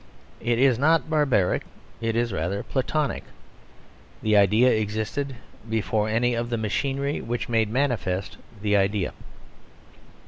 It is not barbaric; it is rather Platonic. The idea existed before any of the machinery which made manifest the idea.